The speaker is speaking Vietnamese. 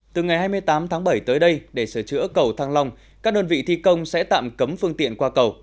từ ngày hai mươi tám tháng bảy tới đây để sửa chữa cầu thăng long các đơn vị thi công sẽ tạm cấm phương tiện qua cầu